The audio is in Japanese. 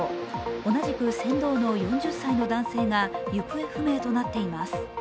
同じく船頭の４０歳の男性が行方不明となっています。